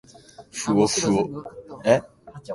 ｆｗｆ ぉ